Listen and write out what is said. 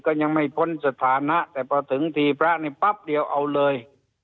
ก็ยังไม่พ้นสถานะแต่พอถึงทีพระนี่ปั๊บเดียวเอาเลย